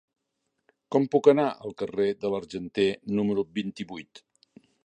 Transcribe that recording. Com puc anar al carrer de l'Argenter número vint-i-vuit?